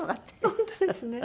本当ですね。